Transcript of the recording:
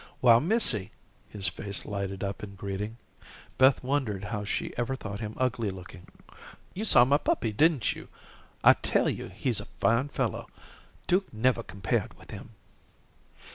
"Why, missy," his face lighted up in greeting. Beth wondered how she ever thought him ugly looking. "You saw my puppy, didn't you? I tell you he's a fine fellow. Duke never compared with him."